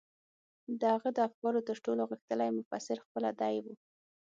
د هغه د افکارو تر ټولو غښتلی مفسر خپله دی و.